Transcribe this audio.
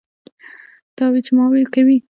تاوې چې ماوې کوي.